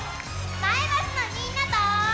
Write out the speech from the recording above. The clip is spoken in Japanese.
前橋のみんなと。